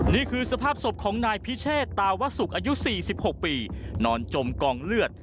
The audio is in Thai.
นี่คือสภาพศพของนายพิเชษตาวสุกอายุ๔๖ปีนอนจมกองเลือด